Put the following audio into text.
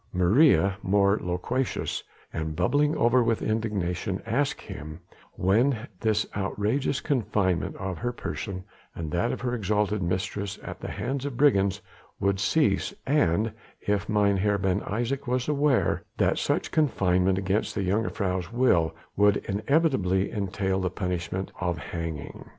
Maria more loquacious, and bubbling over with indignation asked him when this outrageous confinement of her person and that of her exalted mistress at the hands of brigands would cease, and if Mynheer Ben Isaje was aware that such confinement against the jongejuffrouw's will would inevitably entail the punishment of hanging.